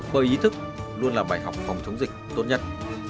bởi ý thức luôn là bài học phòng chống dịch tốt nhất